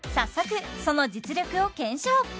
早速その実力を検証